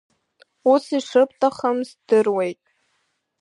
Ус ишыбҭахым здыруеит.